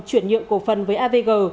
chuyển nhượng cổ phần với avg